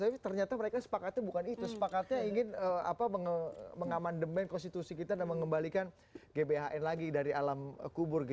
tapi ternyata mereka sepakatnya bukan itu sepakatnya ingin mengamandemen konstitusi kita dan mengembalikan gbhn lagi dari alam kubur